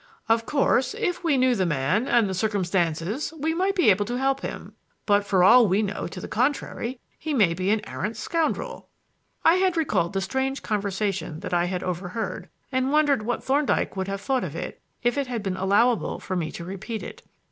Of course, if we knew the man and the circumstances we might be able to help him; but for all we know to the contrary, he may be an arrant scoundrel." I had recalled the strange conversation that I had overheard, and wondered what Thorndyke would have thought of it if it had been allowable for me to repeat it.